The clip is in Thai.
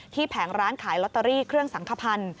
แผงร้านขายลอตเตอรี่เครื่องสังขพันธ์